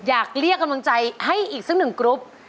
อยากเรียกกำจัยให้สักหนึ่งกรุ๊ป